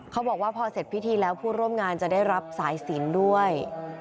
เขาบอกว่าพอเสร็จพิธีแล้วผู้ร่วมงานจะได้รับสายสินด้วย